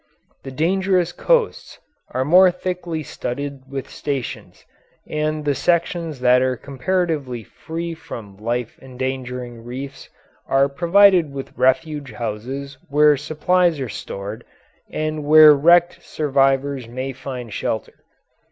The dangerous coasts are more thickly studded with stations, and the sections that are comparatively free from life endangering reefs are provided with refuge houses where supplies are stored and where wrecked survivors may find shelter.